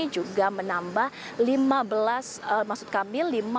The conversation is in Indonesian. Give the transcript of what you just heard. juga menambah lima puluh empat extra flight atau penerbangan tambahan untuk bisa menjadi akomodasi tambahan